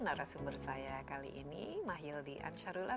narasumber saya kali ini mahildi ansarullah